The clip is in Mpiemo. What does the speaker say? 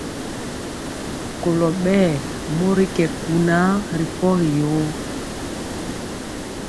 Kolɔ ɓɛɛ mori kɛ kunaa ri pɔgi yoo.